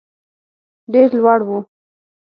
ډېر لوړ وو.